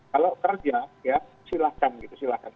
kalau kerja ya silahkan gitu silahkan